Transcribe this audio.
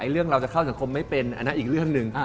เรื่องเราจะเข้าสังคมไม่เป็นอันนั้นอีกเรื่องหนึ่ง